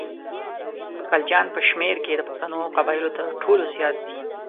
غلجیان په شمېر کې د پښتنو قبایلو تر ټولو زیات دي.